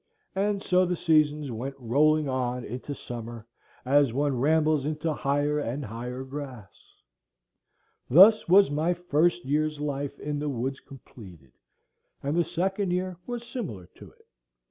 And so the seasons went rolling on into summer, as one rambles into higher and higher grass. Thus was my first year's life in the woods completed; and the second year was similar to it.